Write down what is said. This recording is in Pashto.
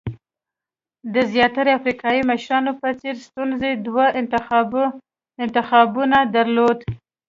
د زیاترو افریقایي مشرانو په څېر سټیونز دوه انتخابونه درلودل.